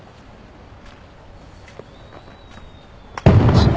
あっ！